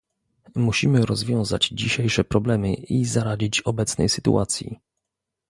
Musimy rozwiązać dzisiejsze problemy i zaradzić obecnej sytuacji